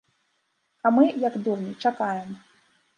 А мы, як дурні, чакаем.